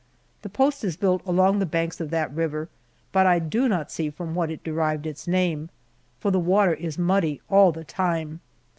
The post is built along the banks of that river but I do not see from what it derived its name, for the water is muddy all the time.